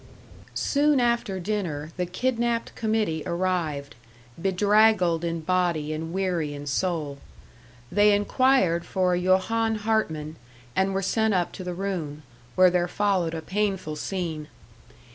Soon after dinner the kidnapped committee arrived, bedraggled in body and weary in soul. They inquired for Johann Hartman, and were sent up to the room, where there followed a painful scene.